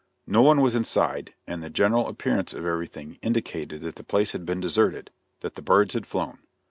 No one was inside, and the general appearance of everything indicated that the place had been deserted that the birds had flown.